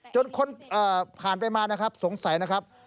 จนคนผ่านไปมานะครับสงสัยนะครับ